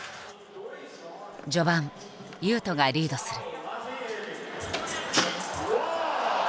序盤雄斗がリードする。